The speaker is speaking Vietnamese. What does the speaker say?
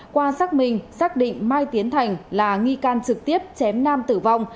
qua xác minh xác định mai tiến thành là nghi can trực tiếp chém nam tử vong